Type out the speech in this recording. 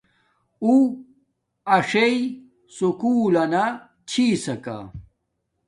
اُّو اݽݵ سکولنا مونا چھساکا